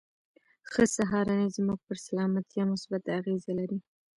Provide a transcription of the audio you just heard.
ښه سهارنۍ زموږ پر سلامتيا مثبته اغېزه لري.